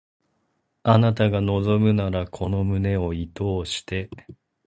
あなたが望むならこの胸を射通して